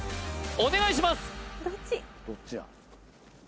お願いします